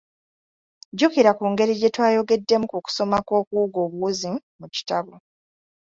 Jjukira ku ngeri gye twayogeddemu ku kusoma okw'okuwuga obuwuzi mu kitabo.